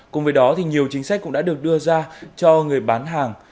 cùng với đó nhiều chính sách cũng đã được đưa ra cho người bán hàng